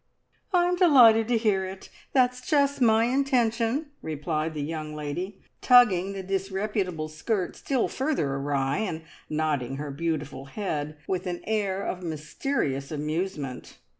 "I'm delighted to hear it! That's just my intention," replied the young lady, tugging the disreputable skirt still further awry, and nodding her beautiful head, with an air of mysterious amusement.